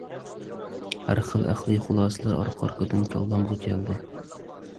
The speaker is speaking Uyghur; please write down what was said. ھەر خىل ئەقلىي خۇلاسىلەر ئارقا-ئارقىدىن كاللامغا كەلدى.